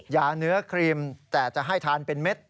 ยาเนื้อครีมแต่จะให้ทานเป็นเม็ด